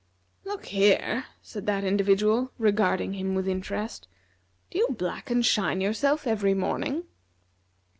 "Look here," said that individual, regarding him with interest, "do you black and shine yourself every morning?"